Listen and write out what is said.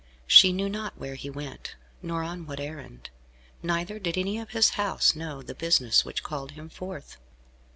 She knew not where he went, nor on what errand. Neither did any of his house know the business which called him forth.